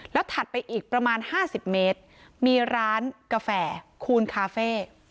แล้วถัดไปอีกประมาณ๕๐เมตรมีร้านกาแฟคูณคาเฟ่